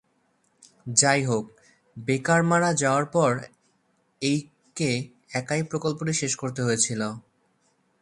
যাইহোক, ব্যাকার মারা যাওয়ার পর এইককে একাই প্রকল্পটি শেষ করতে হয়েছিল।